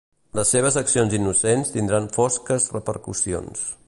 Les seves accions innocents tindran fosques repercussions.